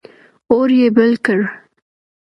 اور یې بل کړ.